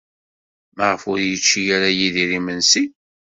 Maɣef ur yečči ara Yidir imensi?